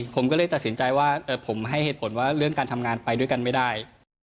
ผมก็เลยตัดสินใจว่าผมให้เหตุผลว่าเรื่องการทำงานไปด้วยกันไม่ได้